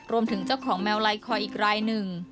รวมถึงเจ้าของแมวไลคอยอีกรายหนึ่ง